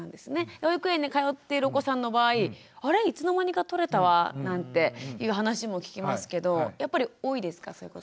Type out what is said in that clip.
保育園に通っているお子さんの場合「あれいつの間にかとれたわ」なんていう話も聞きますけどやっぱり多いですかそういうこと。